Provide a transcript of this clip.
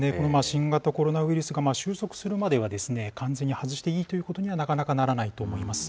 新型コロナウイルスが収束するまではですね、完全に外していいということにはなかなかならないと思います。